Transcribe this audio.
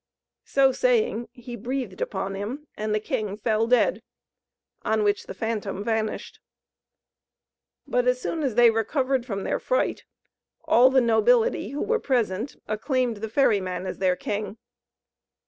So saying he breathed upon him, and the king fell dead on which the phantom vanished. But as soon as they recovered from their fright, all the nobility who were present acclaimed the ferry man as their king.